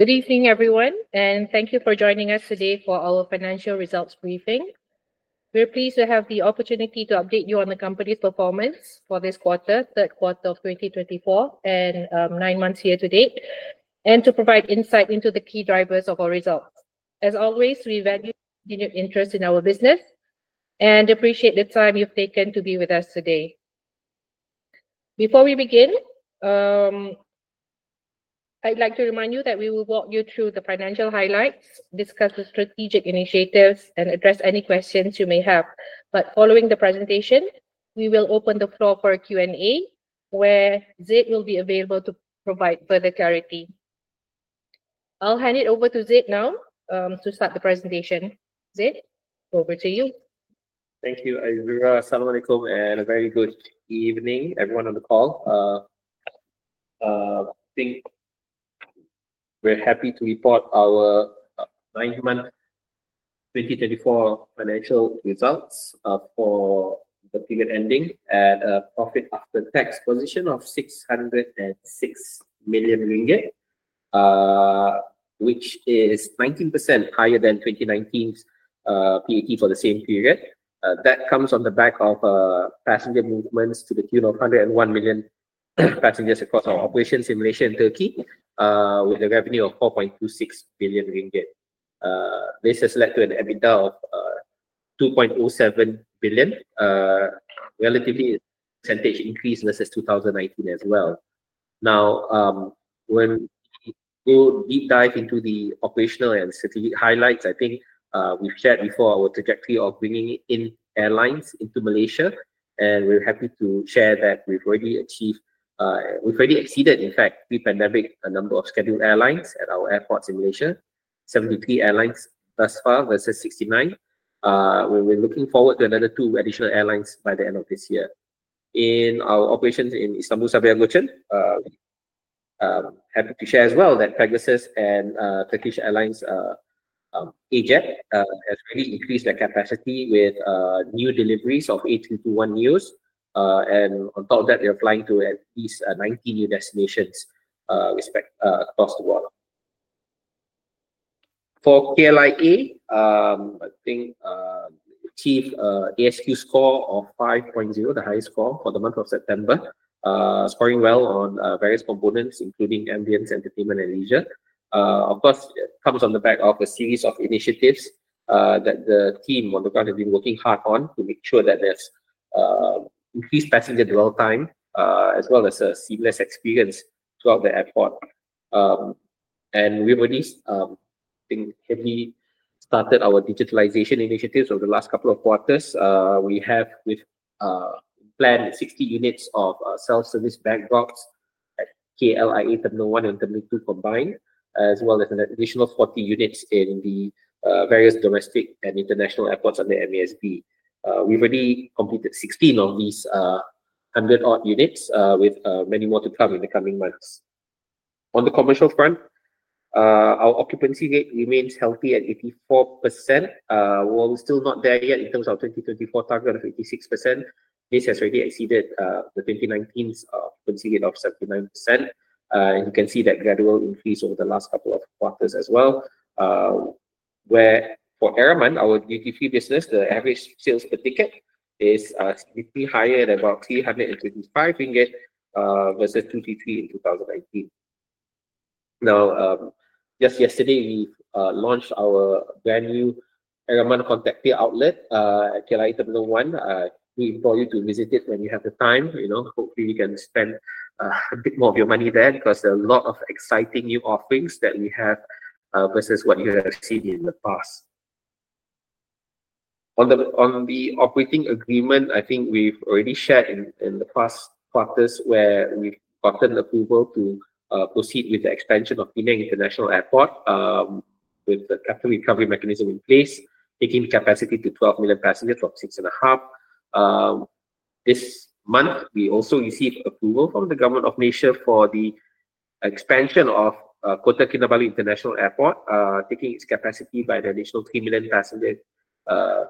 Good evening, everyone, and thank you for joining us today for our financial results briefing. We're pleased to have the opportunity to update you on the company's performance for this quarter, third quarter of 2024, and nine months year to date, and to provide insight into the key drivers of our results. As always, we value your interest in our business and appreciate the time you've taken to be with us today. Before we begin, I'd like to remind you that we will walk you through the financial highlights, discuss the strategic initiatives, and address any questions you may have. But following the presentation, we will open the floor for a Q&A where Zeid will be available to provide further clarity. I'll hand it over to Zeid now to start the presentation. Zeid, over to you. Thank you, Azura. Assalamualaikum and a very good evening, everyone on the call. I think we're happy to report our nine-month 2024 financial results for the period ending at a profit after tax position of 606 million ringgit, which is 19% higher than 2019's PAT for the same period. That comes on the back of passenger movements to the tune of 101 million passengers across our operations in Malaysia and Turkey, with a revenue of 4.26 billion ringgit. This has led to an EBITDA of 2.07 billion, a relatively percentage increase versus 2019 as well. Now, when we go deep dive into the operational and strategic highlights, I think we've shared before our trajectory of bringing in airlines into Malaysia, and we're happy to share that we've already achieved, we've already exceeded, in fact, pre-pandemic, a number of scheduled airlines at our airports in Malaysia: 73 airlines thus far versus 69. We're looking forward to another two additional airlines by the end of this year. In our operations in Istanbul Sabiha Gökçen, happy to share as well that Pegasus and Turkish Airlines' AJet has really increased their capacity with new deliveries of A321neo. And on top of that, they're flying to at least 90 new destinations across the world. For KLIA, I think achieved an ASQ score of 5.0, the highest score for the month of September, scoring well on various components, including ambience, entertainment, and leisure. Of course, it comes on the back of a series of initiatives that the team on the ground have been working hard on to make sure that there's increased passenger dwell time, as well as a seamless experience throughout the airport. And we've already, I think, heavily started our digitalization initiatives over the last couple of quarters. We have planned 60 units of self-service bag drops at KLIA Terminal 1 and Terminal 2 combined, as well as an additional 40 units in the various domestic and international airports under MASB. We've already completed 16 of these 100-odd units, with many more to come in the coming months. On the commercial front, our occupancy rate remains healthy at 84%. While we're still not there yet in terms of our 2024 target of 86%, this has already exceeded the 2019's occupancy rate of 79%. You can see that gradual increase over the last couple of quarters as well. Where for Eraman, our duty-free business, the average sales per ticket is significantly higher at about 325 ringgit versus 23 in 2019. Now, just yesterday, we launched our brand new Eraman contactless outlet at KLIA Terminal 1. We invite you to visit it when you have the time. Hopefully, you can spend a bit more of your money there because there are a lot of exciting new offerings that we have versus what you have seen in the past. On the operating agreement, I think we've already shared in the past quarters where we've gotten approval to proceed with the expansion of Penang International Airport with the capital recovery mechanism in place, taking capacity to 12 million passengers from 6.5. This month, we also received approval from the Government of Malaysia for the expansion of Kota Kinabalu International Airport, taking its capacity by the additional 3 million passengers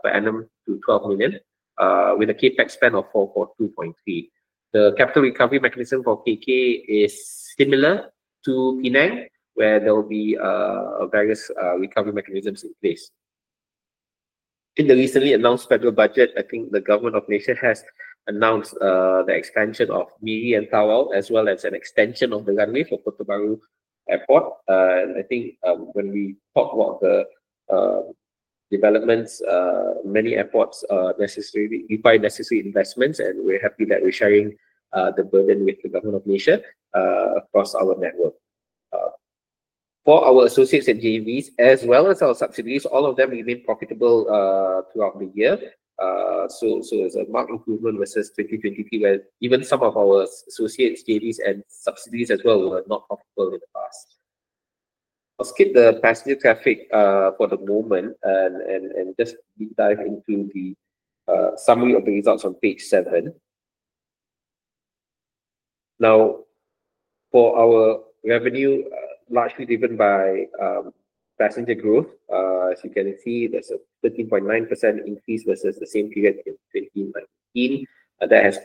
per annum to 12 million, with a CapEx spend of RM 423 million. The capital recovery mechanism for KK is similar to Penang, where there will be various recovery mechanisms in place. In the recently announced federal budget, I think the Government of Malaysia has announced the expansion of Miri Airport and Tawau Airport, as well as an extension of the runway for Kota Bharu Airport. I think when we talk about the developments, many airports require necessary investments, and we're happy that we're sharing the burden with the Government of Malaysia across our network. For our associates and JVs, as well as our subsidiaries, all of them remain profitable throughout the year. There's a marked improvement versus 2023, where even some of our associates, JVs, and subsidiaries as well were not profitable in the past. I'll skip the passenger traffic for the moment and just deep dive into the summary of the results on page seven. Now, for our revenue, largely driven by passenger growth, as you can see, there's a 13.9% increase versus the same period in 2019. That has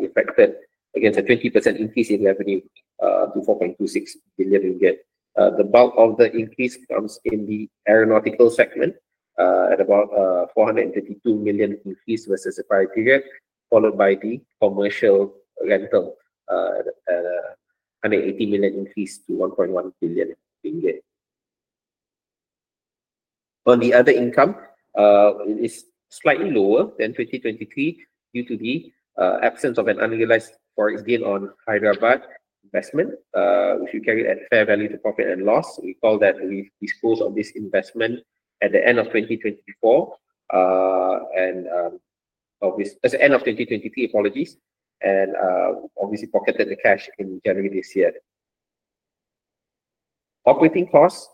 reflected against a 20% increase in revenue to 4.26 billion ringgit. The bulk of the increase comes in the aeronautical segment at about a 432 million increase versus the prior period, followed by the commercial rental at a 180 million increase to 1.1 billion ringgit. On the other income, it is slightly lower than 2023 due to the absence of an unrealized forex gain on Hyderabad investment, which we carried at fair value to profit and loss. Recall that we disposed of this investment at the end of 2023, apologies, and obviously pocketed the cash in January this year. Operating costs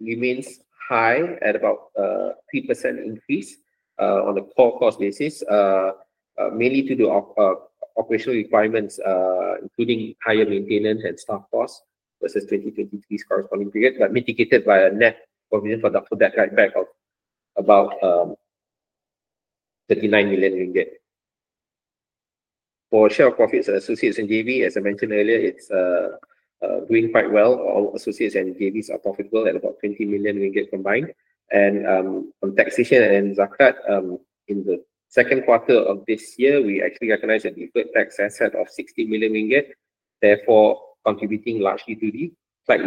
remain high at about a 3% increase on a core cost basis, mainly due to the operational requirements, including higher maintenance and staff costs versus 2023's corresponding period, but mitigated by a net provision for doubtful debts about 39 million ringgit. For share of profits and associates and JV, as I mentioned earlier, it's doing quite well. All associates and JVs are profitable at about 20 million ringgit combined. On taxation and zakat, in the second quarter of this year, we actually recognize that we've put tax asset of 60 million ringgit, therefore contributing largely to the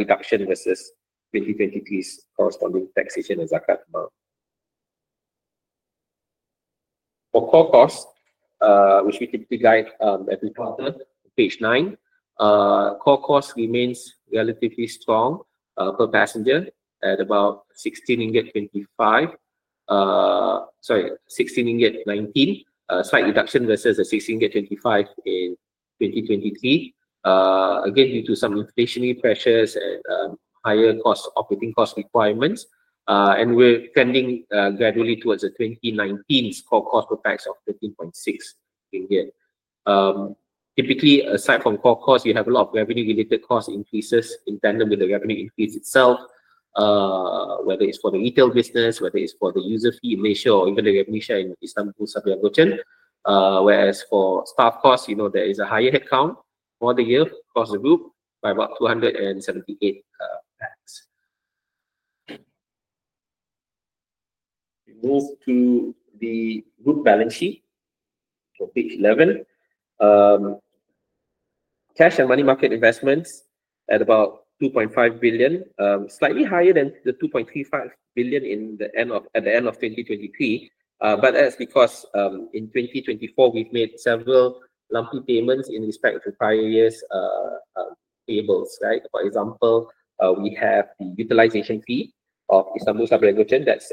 profit versus 2023's corresponding taxation and zakat amount. For core costs, which we typically guide every quarter, page nine, core costs remain relatively strong per passenger at about 16.25 ringgit, sorry, 16.19 ringgit, slight reduction versus the 16.25 ringgit in 2023, again due to some inflationary pressures and higher operating cost requirements. We're trending gradually towards a 2019's core cost per pax of 13.6 ringgit. Typically, aside from core costs, you have a lot of revenue-related cost increases in tandem with the revenue increase itself, whether it's for the retail business, whether it's for the user fee in Malaysia, or even the revenue share in Istanbul Sabiha Gökçen. Whereas for staff costs, you know there is a higher headcount for the year across the group by about 278. We move to the group balance sheet for page 11. Cash and money market investments at about 2.5 billion, slightly higher than the 2.35 billion at the end of 2023. But that's because in 2024, we've made several lumpy payments in respect to prior year's payables. For example, we have the utilization fee of Istanbul Sabiha Gökçen that's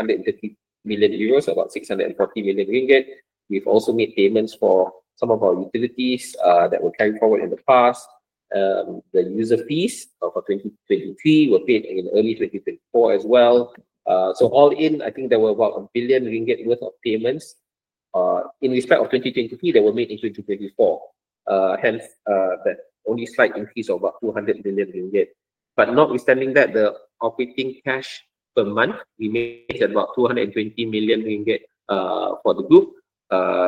MYR 130 million, about 640 million ringgit. We've also made payments for some of our utilities that were carried forward in the past. The user fees for 2023 were paid in early 2024 as well. So all in, I think there were about 1 billion ringgit worth of payments in respect of 2023 that were made in 2024. Hence, that only slight increase of about 200 million ringgit. But notwithstanding that, the operating cash per month remains at about 220 million ringgit for the group.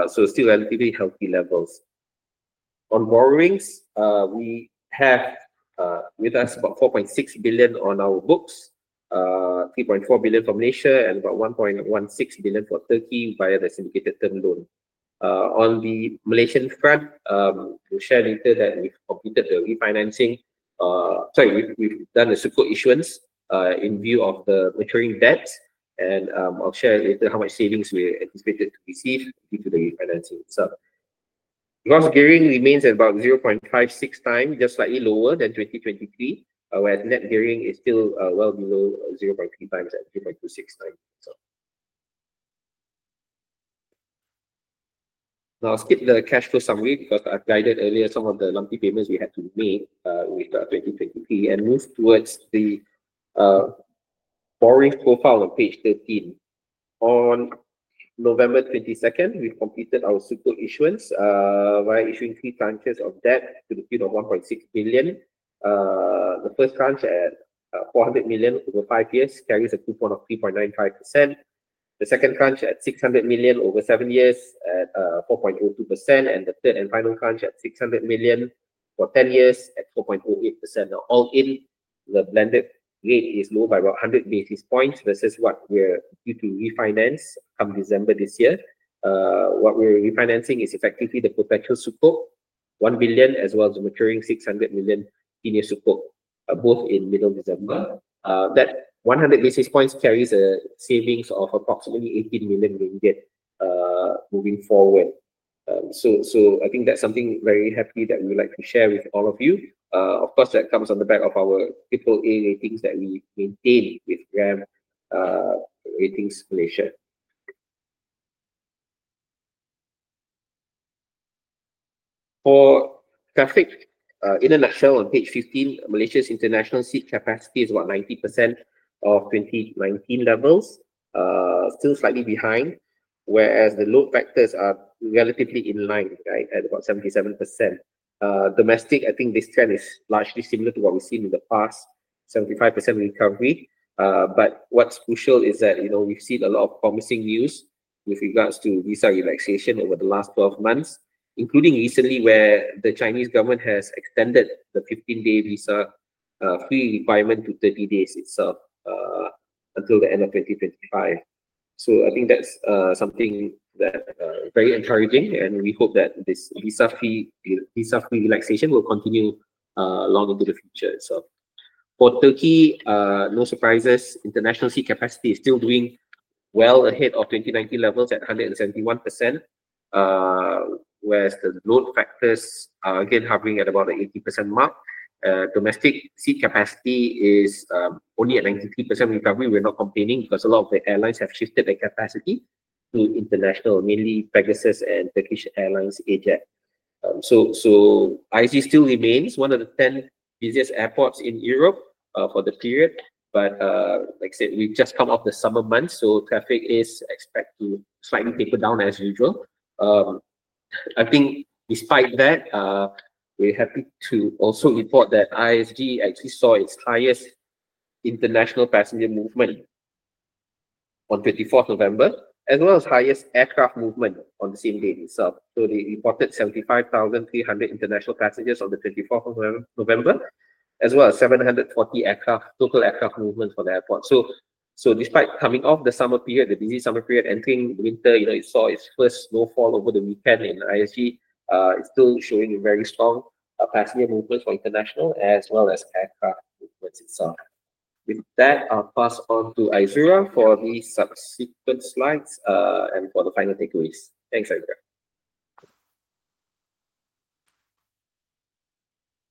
So still relatively healthy levels. On borrowings, we have with us about 4.6 billion on our books, 3.4 billion for Malaysia, and about 1.16 billion for Turkey via the syndicated term loan. On the Malaysian front, we'll share later that we've completed the refinancing, sorry, we've done the Sukuk issuance in view of the maturing debt. And I'll share later how much savings we anticipated to receive due to the refinancing itself. Gross gearing remains at about 0.56 times, just slightly lower than 2023, whereas net gearing is still well below 0.3 times at 0.26 times. Now, I'll skip the cash flow summary because I've guided earlier some of the lumpy payments we had to make in 2023 and move to the borrowing profile on page 13. On November 22nd, we completed our Sukuk issuance via issuing three tranches of debt to the tune of 1.6 billion. The first tranche at 400 million over five years carries a coupon of 3.95%. The second tranche at 600 million over seven years at 4.02%, and the third and final tranche at 600 million for 10 years at 4.08%. All in, the blended rate is low by about 100 basis points versus what we're due to refinance come December this year. What we're refinancing is effectively the perpetual Sukuk, 1 billion, as well as the maturing 600 million senior Sukuk, both in middle December. That 100 basis points carries a savings of approximately 18 million ringgit moving forward. So I think that's something very happy that we would like to share with all of you. Of course, that comes on the back of our AAA ratings that we maintain with RAM Ratings Malaysia. For traffic, in a nutshell, on page 15, Malaysia's international seat capacity is about 90% of 2019 levels, still slightly behind, whereas the load factors are relatively in line at about 77%. Domestic, I think this trend is largely similar to what we've seen in the past, 75% recovery. But what's crucial is that we've seen a lot of promising news with regards to visa relaxation over the last 12 months, including recently where the Chinese government has extended the 15-day visa-free requirement to 30 days itself until the end of 2025. So I think that's something that is very encouraging, and we hope that this visa-free relaxation will continue long into the future. For Turkey, no surprises, international seat capacity is still doing well ahead of 2019 levels at 171%, whereas the load factors are again hovering at about the 80% mark. Domestic seat capacity is only at 93% recovery. We're not complaining because a lot of the airlines have shifted their capacity to international, mainly Pegasus and Turkish Airlines AJet. So ISG still remains one of the 10 busiest airports in Europe for the period. But like I said, we've just come off the summer months, so traffic is expected to slightly taper down as usual. I think despite that, we're happy to also report that ISG actually saw its highest international passenger movement on 24 November, as well as highest aircraft movement on the same day itself. So they reported 75,300 international passengers on the 24th of November, as well as 740 total aircraft movements for the airport. So despite coming off the summer period, the busy summer period entering the winter, it saw its first snowfall over the weekend, and ISG is still showing very strong passenger movements for international as well as aircraft movements itself. With that, I'll pass on to Azura for the subsequent slides and for the final takeaways. Thanks, Azura.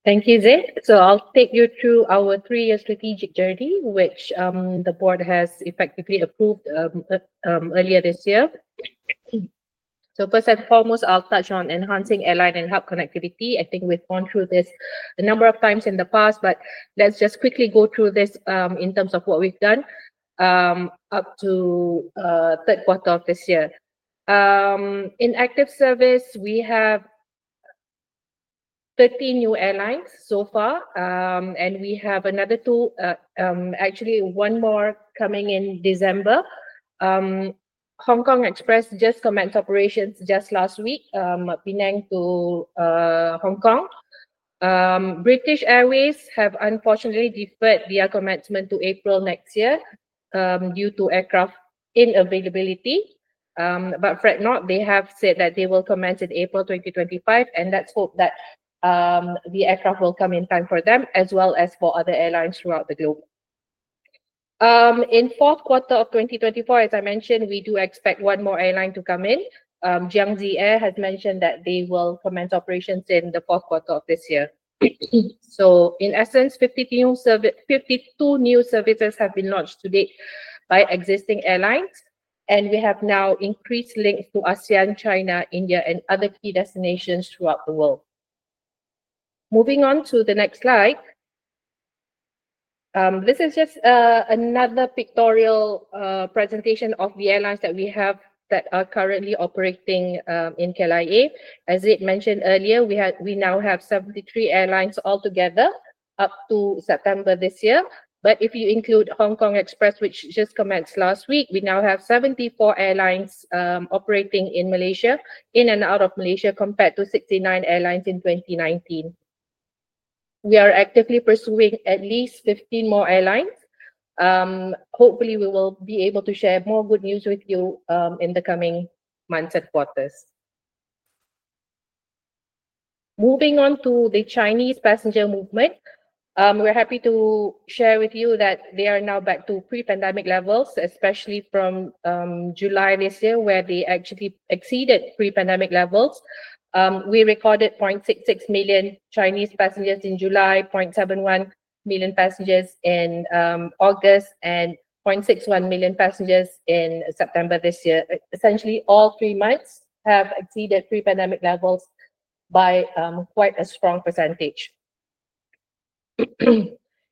Thank you, Zeid. I'll take you through our three-year strategic journey, which the board has effectively approved earlier this year. First and foremost, I'll touch on enhancing airline and hub connectivity. I think we've gone through this a number of times in the past, but let's just quickly go through this in terms of what we've done up to third quarter of this year. In active service, we have 13 new airlines so far, and we have another two, actually one more coming in December. Hong Kong Express just commenced operations just last week, Penang to Hong Kong. British Airways have unfortunately deferred their commencement to April next year due to aircraft unavailability. But fret not, they have said that they will commence in April 2025, and let's hope that the aircraft will come in time for them, as well as for other airlines throughout the globe. In fourth quarter of 2024, as I mentioned, we do expect one more airline to come in. Jiangxi Air has mentioned that they will commence operations in the fourth quarter of this year. So in essence, 52 new services have been launched to date by existing airlines, and we have now increased links to ASEAN, China, India, and other key destinations throughout the world. Moving on to the next slide. This is just another pictorial presentation of the airlines that we have that are currently operating in KLIA. As Zeid mentioned earlier, we now have 73 airlines altogether up to September this year. But if you include Hong Kong Express, which just commenced last week, we now have 74 airlines operating in Malaysia, in and out of Malaysia, compared to 69 airlines in 2019. We are actively pursuing at least 15 more airlines. Hopefully, we will be able to share more good news with you in the coming months and quarters. Moving on to the Chinese passenger movement, we're happy to share with you that they are now back to pre-pandemic levels, especially from July this year, where they actually exceeded pre-pandemic levels. We recorded 0.66 million Chinese passengers in July, 0.71 million passengers in August, and 0.61 million passengers in September this year. Essentially, all three months have exceeded pre-pandemic levels by quite a strong percentage.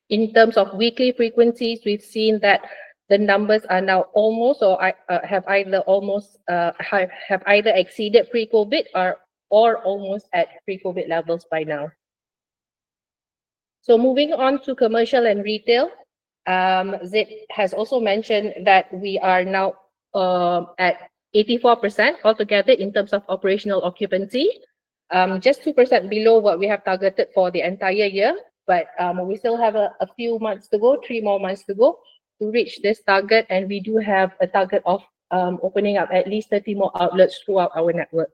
In terms of weekly frequencies, we've seen that the numbers are now almost, or have either exceeded pre-COVID or almost at pre-COVID levels by now. So moving on to commercial and retail, Zeid has also mentioned that we are now at 84% altogether in terms of operational occupancy, just 2% below what we have targeted for the entire year. But we still have a few months to go, three more months to go to reach this target, and we do have a target of opening up at least 30 more outlets throughout our network.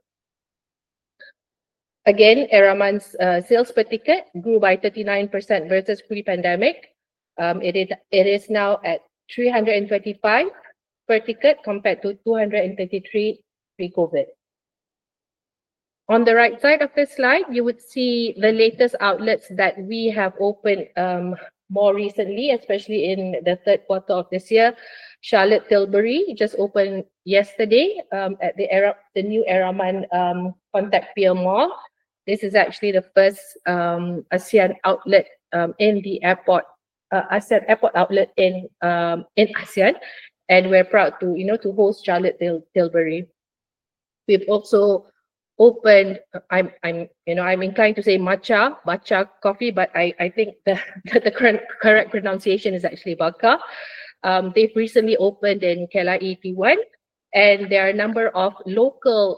Again, Eraman's sales per ticket grew by 39% versus pre-pandemic. It is now at 325 per ticket compared to 233 pre-COVID. On the right side of this slide, you would see the latest outlets that we have opened more recently, especially in the third quarter of this year. Charlotte Tilbury just opened yesterday at the new Eraman Contact Pier. This is actually the first ASEAN outlet in the airport, ASEAN airport outlet in ASEAN. And we're proud to host Charlotte Tilbury. We've also opened. I'm inclined to say Bacha Coffee, but I think the correct pronunciation is actually Bacha. They've recently opened in KLIA T1, and there are a number of local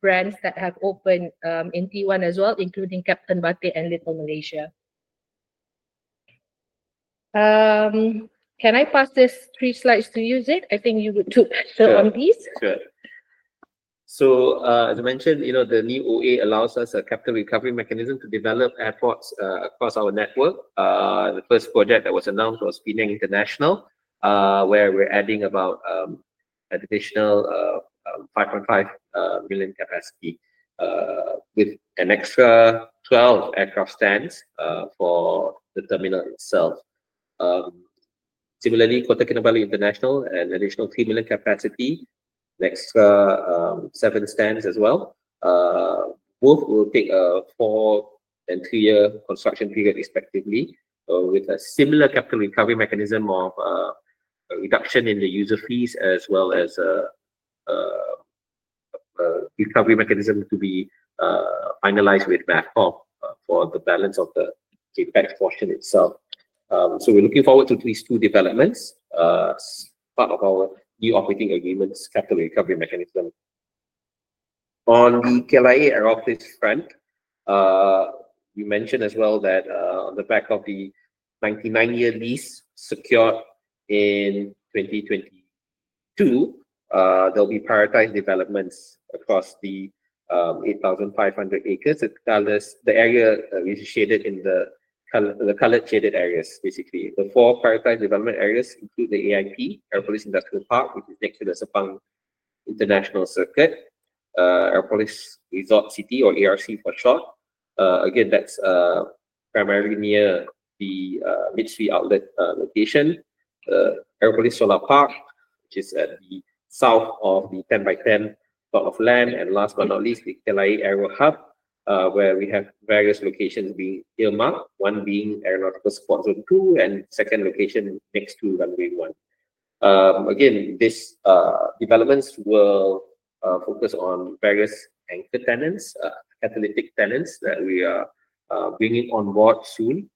brands that have opened in T1 as well, including Kapten Batik and Little Malaysia. Can I pass these three slides to you, Zeid? I think you would too on these. Sure. So as I mentioned, the new OA allows us a capital recovery mechanism to develop airports across our network. The first project that was announced was Penang International, where we're adding about an additional 5.5 million capacity with an extra 12 aircraft stands for the terminal itself. Similarly, Kota Kinabalu International, an additional 3 million capacity, an extra 7 stands as well. Both will take a four-year and two-year construction period respectively, with a similar capital recovery mechanism of a reduction in the user fees as well as a recovery mechanism to be finalized with MAVCOM for the balance of the capex portion itself. So we're looking forward to these two developments as part of our new operating agreement's capital recovery mechanism. On the KLIA Aeropolis front, we mentioned as well that on the back of the 99-year lease secured in 2022, there will be prioritized developments across the 8,500 acres. The area is shaded in the colored shaded areas, basically. The four prioritized development areas include the AIP, Aeropolis Industrial Park, which is next to the Sepang International Circuit, Aeropolis Resort City, or ARC for short. Again, that's primarily near the Mitsui Outlet Park location. Aeropolis Solar Park, which is at the south of the 10 by 10 plot of land. And last but not least, the KLIA Aeroway Hub, where we have various locations being earmarked one being Aeronautical Support Zone 2, and second location next to Runway 1. Again, these developments will focus on various anchor tenants, catalytic tenants that we are bringing on board soon,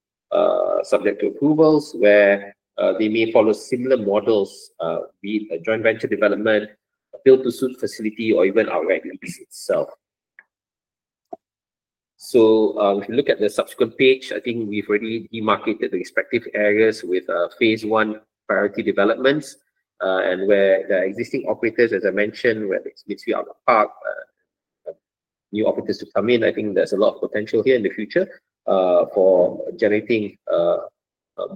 subject to approvals where they may follow similar models with a joint venture development, a built-to-suit facility, or even our regular lease itself. If you look at the subsequent page, I think we've already demarcated the respective areas with phase one priority developments. Where the existing operators, as I mentioned, where it's Mitsui Outlet Park, new operators to come in, I think there's a lot of potential here in the future for generating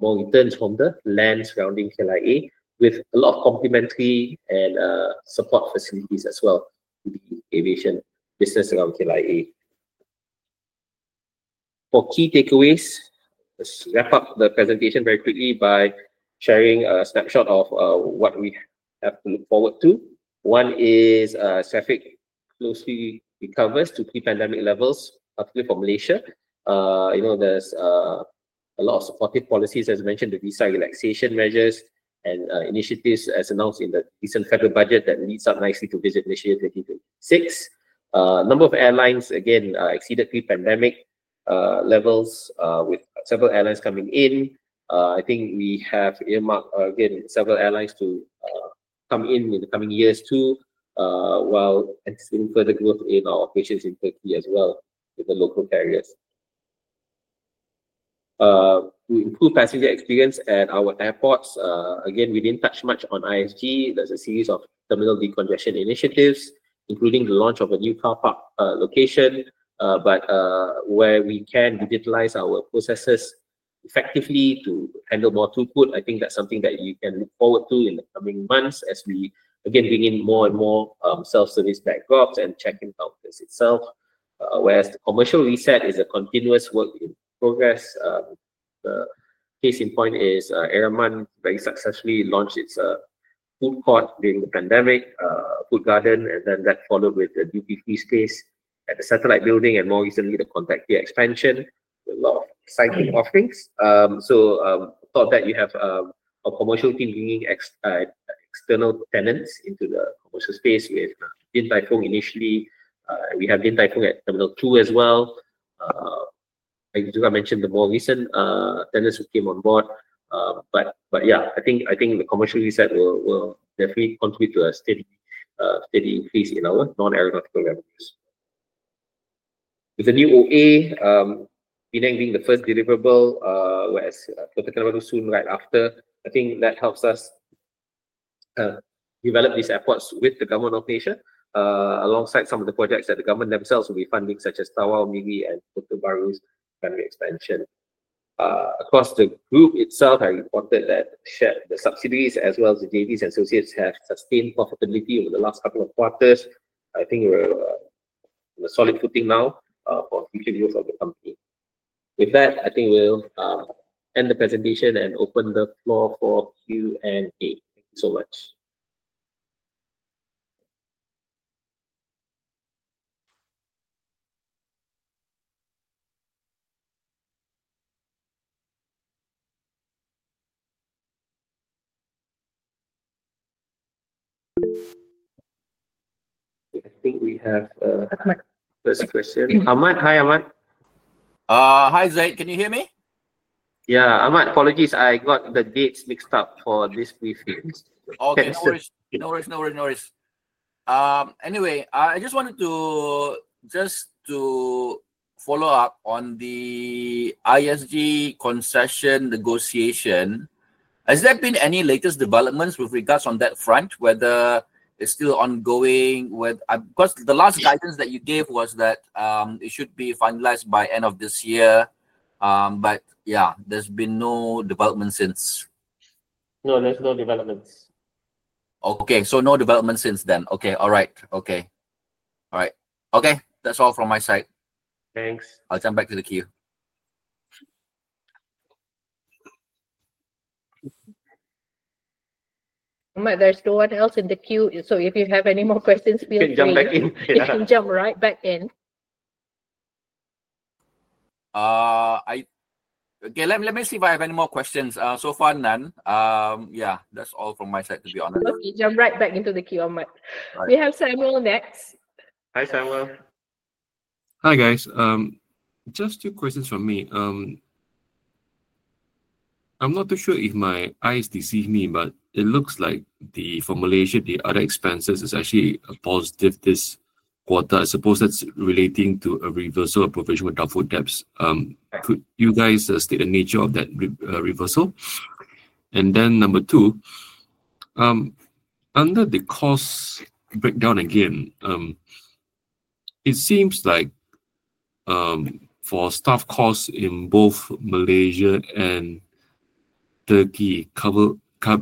more returns from the land surrounding KLIA, with a lot of complementary and support facilities as well to the aviation business around KLIA. For key takeaways, let's wrap up the presentation very quickly by sharing a snapshot of what we have to look forward to. One is traffic closely recovers to pre-pandemic levels, particularly for Malaysia. There's a lot of supportive policies, as mentioned, the visa relaxation measures and initiatives, as announced in the recent federal budget that leads up nicely to Visit Malaysia 2026. Number of airlines, again, exceeded pre-pandemic levels with several airlines coming in. I think we have more, again, several airlines to come in in the coming years too, while anticipating further growth in our operations in Turkey as well with the local carriers. We improve passenger experience at our airports. Again, we didn't touch much on ISG. There's a series of terminal decongestion initiatives, including the launch of a new car park location where we can utilize our processes effectively to handle more throughput. I think that's something that you can look forward to in the coming months as we again bring in more and more self-service bag drops and check-in counters itself. Whereas the commercial reset is a continuous work in progress. The case in point is Eraman very successfully launched its food court during the pandemic, Food Garden, and then that followed with the duty-free space at the satellite building and more recently the Contact Pier expansion with a lot of exciting offerings, so I thought that you have a commercial team bringing external tenants into the commercial space with Din Tai Fung initially. We have Din Tai Fung at Terminal 2 as well. I think I mentioned the more recent tenants who came on board, but yeah, I think the commercial reset will definitely contribute to a steady increase in our non-aeronautical revenues. With the new OA, Penang being the first deliverable, whereas Kota Kinabalu soon right after, I think that helps us develop these airports with the government of Malaysia alongside some of the projects that the government themselves will be funding, such as Tawau, Miri, and Kota Bharu's expansion. Across the group itself, I reported that the subsidiaries as well as the JVs and associates have sustained profitability over the last couple of quarters. I think we're on a solid footing now for future years of the company. With that, I think we'll end the presentation and open the floor for Q&A. Thank you so much. I think we have a first question. Ahmad, hi, Ahmad. Hi, Zeid. Can you hear me? Yeah, Ahmad, apologies. I got the dates mixed up for this briefing. No worries, no worries, no worries. Anyway, I just wanted to just follow up on the ISG concession negotiation. Has there been any latest developments with regards on that front, whether it's still ongoing? Because the last guidance that you gave was that it should be finalized by end of this year. But yeah, there's been no development since. No, there's no developments. Okay, so no development since then. Okay, all right. Okay, all right. Okay, that's all from my side. Thanks. I'll jump back to the queue. Ahmad, there's no one else in the queue. So if you have any more questions, feel free to jump back in. You can jump right back in. Okay, let me see if I have any more questions. So far, none. Yeah, that's all from my side, to be honest. Okay, jump right back into the queue, Ahmad. We have Samuel next. Hi, Samuel. Hi guys. Just two questions from me. I'm not too sure if my eyes deceive me, but it looks like the formulation, the other expenses is actually positive this quarter. I suppose that's relating to a reversal of provision for doubtful debts. Could you guys state the nature of that reversal? And then number two, under the cost breakdown again, it seems like for staff costs in both Malaysia and Turkey, coupled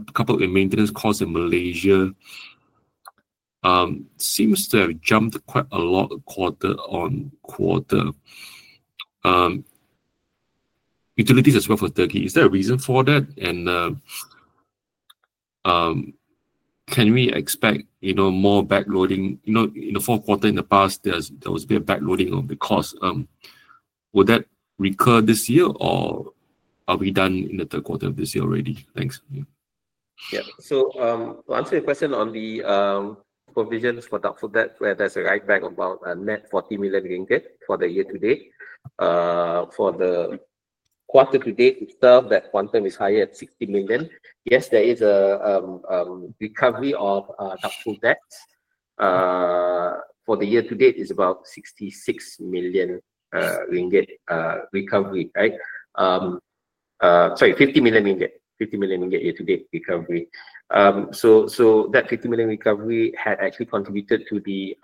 with maintenance costs in Malaysia, seems to have jumped quite a lot quarter on quarter. Utilities as well for Turkey. Is there a reason for that? And can we expect more backloading? In the fourth quarter in the past, there was a bit of backloading on the cost. Would that recur this year, or are we done in the third quarter of this year already? Thanks. Yeah, so to answer your question on the provisions for doubtful debts, where there's a write-back about a net 40 million ringgit for the year to date. For the quarter to date, itself, that quantum is higher at 60 million. Yes, there is a recovery of doubtful debts. For the year to date, it's about 66 million ringgit recovery, right? Sorry, 50 million ringgit, 50 million ringgit year to date recovery. So that 50 million recovery had actually contributed to the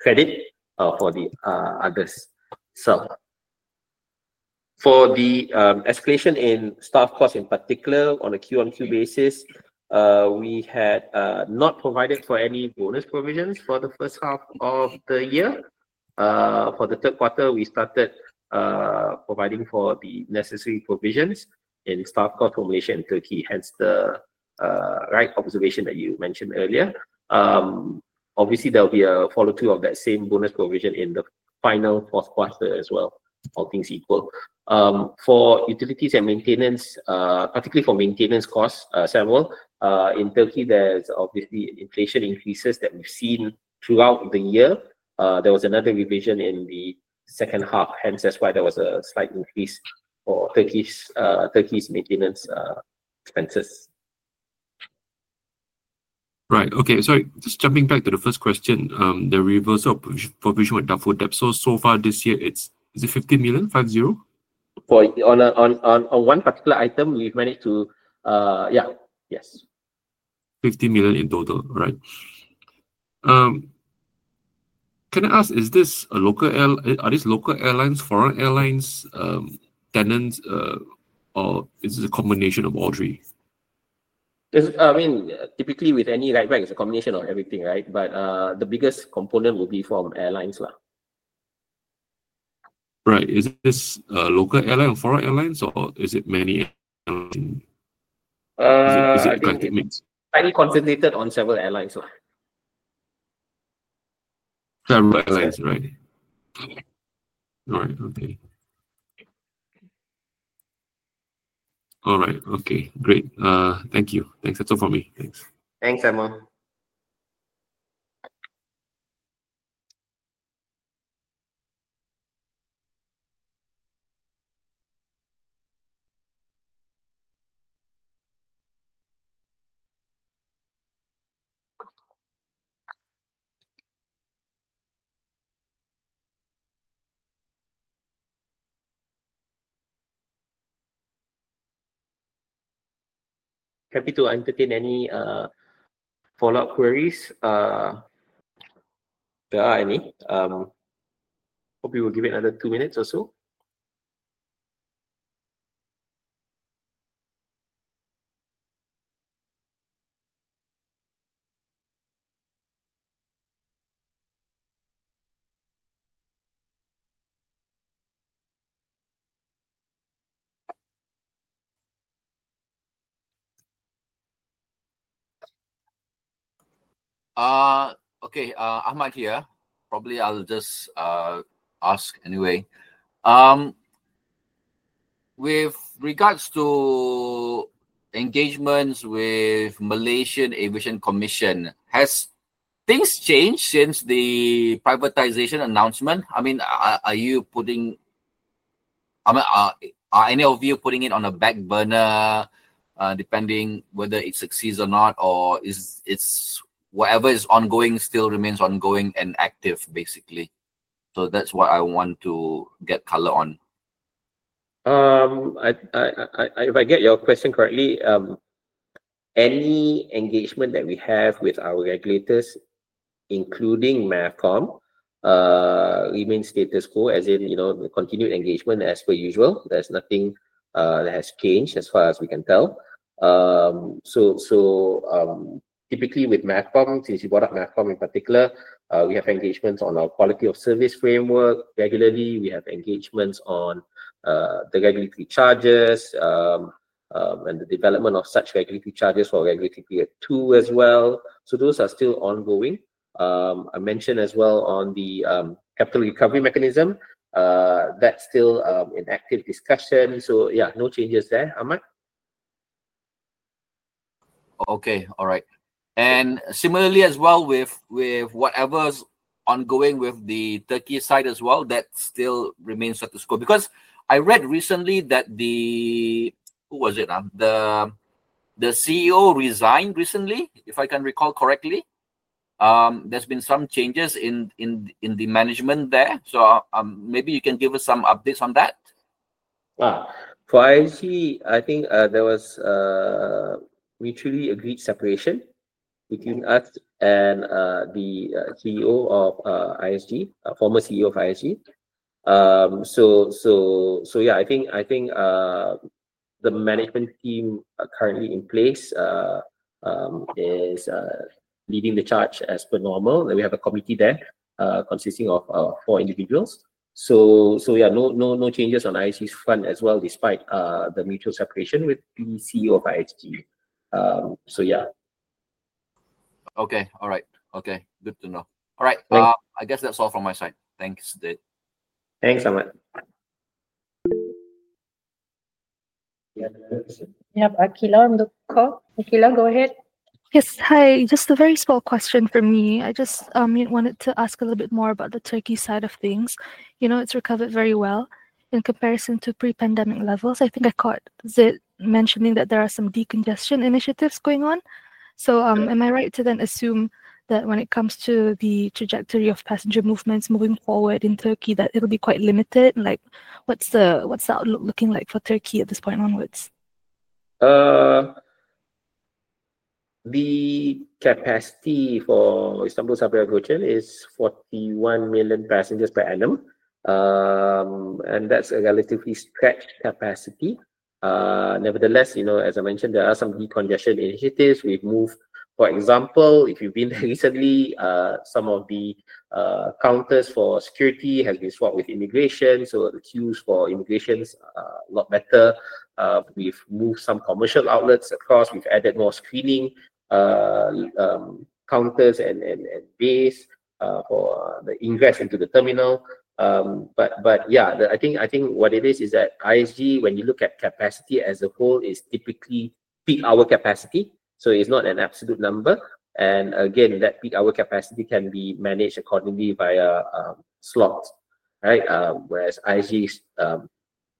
credit for the others itself. For the escalation in staff costs in particular, on a Q on Q basis, we had not provided for any bonus provisions for the first half of the year. For the third quarter, we started providing for the necessary provisions in staff cost formulation in Turkey, hence the right observation that you mentioned earlier. Obviously, there will be a follow-through of that same bonus provision in the final fourth quarter as well, all things equal. For utilities and maintenance, particularly for maintenance costs, Samuel, in Turkey, there's obviously inflation increases that we've seen throughout the year. There was another revision in the second half, hence that's why there was a slight increase for Turkey's maintenance expenses. Right, okay. So just jumping back to the first question, the reversal of provision with doubtful debts. So far this year, is it 50 million, five zero? On one particular item, we've managed to, yeah, yes. 50 million in total, right? Can I ask, is this a local airline? Are these local airlines, foreign airlines, tenants, or is it a combination of all three? I mean, typically with any write-back, it's a combination of everything, right? But the biggest component will be from airlines. Right. Is this a local airline or foreign airlines, or is it many airlines? Is it a blanket mix? Slightly concentrated on several airlines. Several airlines, right? All right, okay. Great. Thank you. Thanks from me. Thanks, Samuel. Happy to entertain any follow-up queries if there are any. Hope you will give it another two minutes or so. Okay, Ahmad here. Probably I'll just ask anyway. With regards to engagements with the Malaysian Aviation Commission, has things changed since the privatization announcement? I mean, are you putting - are any of you putting it on a back burner depending whether it succeeds or not, or is it whatever is ongoing still remains ongoing and active, basically? So that's what I want to get color on. If I get your question correctly, any engagement that we have with our regulators, including MAVCOM, remains status quo, as in continued engagement as per usual. There's nothing that has changed as far as we can tell. So typically with MAVCOM, since you brought up MAVCOM in particular, we have engagements on our quality of service framework regularly. We have engagements on the regulatory charges and the development of such regulatory charges for regulatory period two as well. So those are still ongoing. I mentioned as well on the capital recovery mechanism. That's still in active discussion. So yeah, no changes there, Ahmad. Okay, all right. And similarly as well with whatever's ongoing with the Turkey side as well, that still remains status quo. Because I read recently that the—who was it? The CEO resigned recently, if I can recall correctly. There's been some changes in the management there. So maybe you can give us some updates on that? For ISG, I think there was mutually agreed separation between us and the CEO of ISG, former CEO of ISG. So yeah, I think the management team currently in place is leading the charge as per normal. We have a committee there consisting of four individuals. So yeah, no changes on ISG's fund as well despite the mutual separation with the CEO of ISG. So yeah. Okay, all right. Okay, good to know. All right. I guess that's all from my side. Thanks, Zeid. Thanks, Ahmad. Yep, Aqila on the call. Aqila, go ahead. Yes, hi. Just a very small question for me. I just wanted to ask a little bit more about the Turkey side of things. It's recovered very well in comparison to pre-pandemic levels. I think I caught Zeid mentioning that there are some decongestion initiatives going on. So am I right to then assume that when it comes to the trajectory of passenger movements moving forward in Turkey, that it'll be quite limited? What's that looking like for Turkey at this point onwards? The capacity for Istanbul Sabiha Gökçen International Airport is 41 million passengers per annum. And that's a relatively stretched capacity. Nevertheless, as I mentioned, there are some decongestion initiatives. We've moved, for example, if you've been there recently, some of the counters for security have been swapped with immigration. So the queues for immigration are a lot better. We've moved some commercial outlets across. We've added more screening counters and bays for the ingress into the terminal. But yeah, I think what it is is that ISG, when you look at capacity as a whole, is typically peak hour capacity. So it's not an absolute number. And again, that peak hour capacity can be managed accordingly via slots, right? Whereas ISG is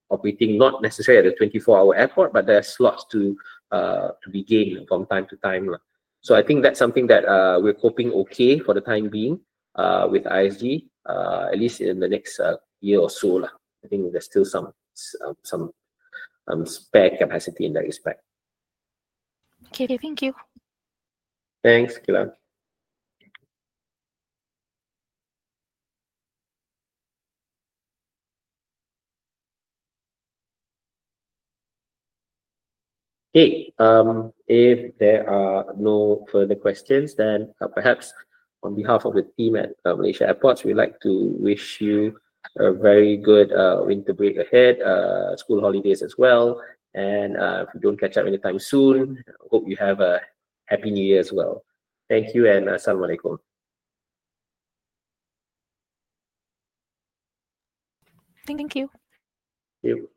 operating not necessarily at a 24-hour airport, but there are slots to be gained from time to time. So I think that's something that we're coping okay for the time being with ISG, at least in the next year or so. I think there's still some spare capacity in that respect. Okay, thank you. Thanks, Aqila. Okay, if there are no further questions, then perhaps on behalf of the team at Malaysia Airports, we'd like to wish you a very good winter break ahead, school holidays as well. And if we don't catch up anytime soon, hope you have a Happy New Year as well. Thank you and Assalamualaikum. Thank you.